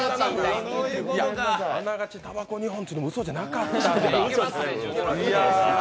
あながち、たばこ２本っていうのもうそじゃなかったんだ。